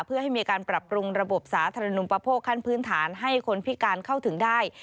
เพื่อให้มีการปรับปรุงระบบสาธารณูปโภคขั้นพื้นฐานให้คนพิการเข้าถึงได้